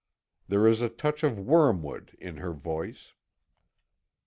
There is a touch of wormwood in her voice.